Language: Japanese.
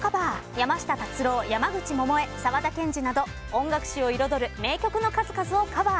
山下達郎、山口百恵沢田研二など音楽史を彩る名曲の数々をカバー。